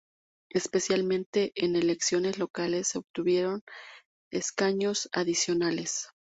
Especialmente en elecciones locales se obtuvieron escaños adicionales.